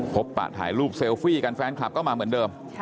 ปะถ่ายรูปเซลฟี่กันแฟนคลับก็มาเหมือนเดิม